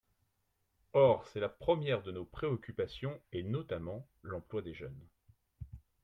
Or c’est la première de nos préoccupations, et notamment l’emploi des jeunes.